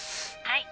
はい。